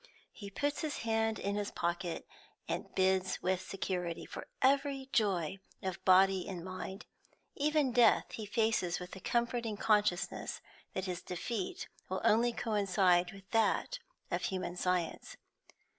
He puts his hand in his pocket, and bids with security for every joy of body and mind; even death he faces with the comforting consciousness that his defeat will only coincide with that of human science.